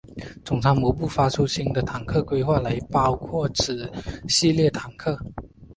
总参谋部发出新的坦克规格来包括此系列坦克。